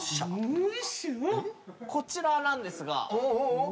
こちらなんですが。